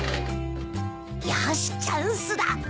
よーしチャンスだ。